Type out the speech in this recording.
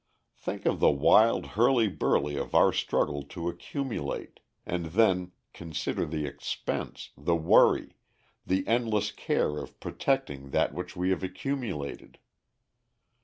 Think of the wild hurly burly of our struggle to accumulate, and then consider the expense, the worry, the endless care of protecting that which we have accumulated.